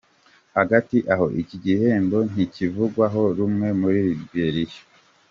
Hagati aho, iki gihembo ntikivugwaho rumwe muri Liberia.